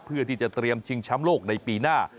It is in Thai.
เพื่อที่จะเตรียมชิงช้ำโลกในปีหน้า